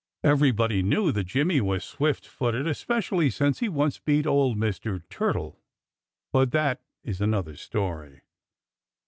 Everybody knew that Jimmy was swift footed especially since he once beat old Mr. Turtle (but that is another story).